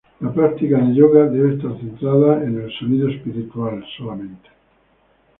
La práctica de Yoga debe estar centrada en el "sonido espiritual" solamente.